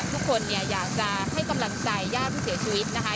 ทุกคนเนี่ยอยากจะให้กำลังใจญาติผู้เสียชีวิตนะคะ